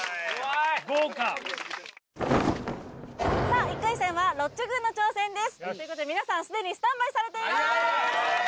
・豪華さあ１回戦はロッチ軍の挑戦ですということで皆さんすでにスタンバイされています